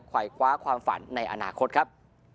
ควายคว้าความฝันในอนาคตครับ